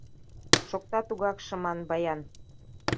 Шокта тугак шыман баян